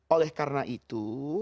oleh karena itu